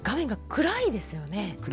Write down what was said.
暗いですね。